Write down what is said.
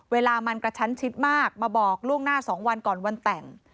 เวลามันกระชั้นชิดมากมาบอกล่วงหน้า๒วันก่อนวันแต่ง